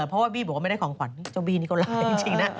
เพราะว่าบี้บอกว่าไม่ได้ของขวัญเจ้าบี้นี่ก็ร้ายจริงนะ